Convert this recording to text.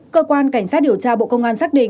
cơ quan cảnh sát điều tra bộ công an xác định